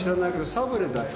サブレーだよ。